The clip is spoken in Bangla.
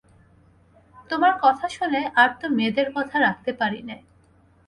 তোমার কথা শুনে আর তো মেয়েদের রাখতে পারি নে!